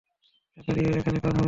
টাকা দিয়ে এখানে কাজ হবে না।